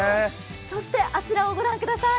そして、あちらを御覧ください